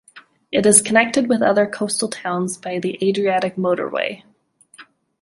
It is connected with other coastal towns by the Adriatic Motorway.